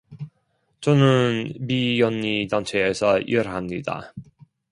저는 비영리 단체에서 일합니다.